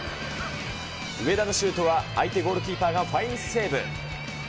上田のシュートは相手ゴールキーパーがファインセーブ。